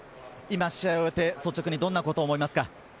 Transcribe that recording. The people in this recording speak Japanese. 試合を終えて率直にどんなことを思いますか。